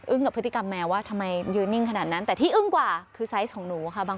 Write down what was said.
กับพฤติกรรมแมวว่าทำไมยืนนิ่งขนาดนั้นแต่ที่อึ้งกว่าคือไซส์ของหนูค่ะ